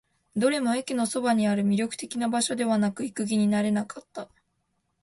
どれも駅のそばにある。魅力的な場所ではなく、行く気にはなれなかった。